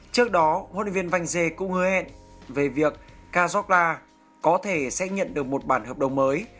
trước đó huấn luyện viên vanh cũng hứa hẹn về việc kazorda có thể sẽ nhận được một bản hợp đồng mới